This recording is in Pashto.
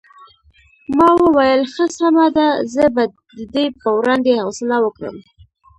ما وویل ښه سمه ده زه به د دې په وړاندې حوصله وکړم.